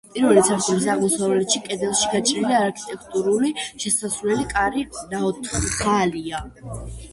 პირველი სართულის აღმოსავლეთი კედელში გაჭრილია არქიტრავული შესასვლელი, კარი ნაოთხალია.